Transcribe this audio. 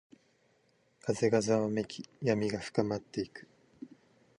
風がざわめき、闇が深まっていく。